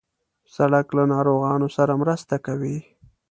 سړک له ناروغانو سره مرسته کوي.